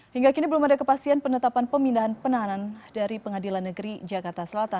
hingga kini belum ada kepastian penetapan pemindahan penahanan dari pengadilan negeri jakarta selatan